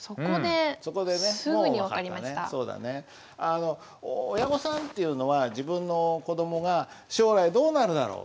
あの親御さんっていうのは自分の子どもが将来どうなるだろう？